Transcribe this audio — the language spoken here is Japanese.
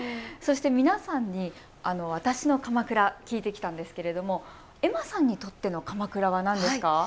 そして皆さんに「わたしの鎌倉」聞いてきたんですがエマさんにとっての鎌倉はなんですか？